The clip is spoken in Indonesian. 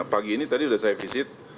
pagi ini tadi sudah saya visit